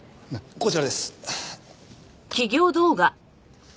こちらです。